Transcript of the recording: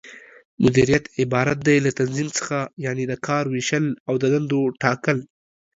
مديريت عبارت دى له تنظيم څخه، یعنې د کار وېشل او د دندو ټاکل